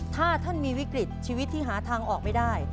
ถ้าท่านมีวิกฤตชีวิตที่หาทางออกไม่ได้